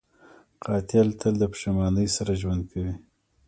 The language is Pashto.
قاتل تل د پښېمانۍ سره ژوند کوي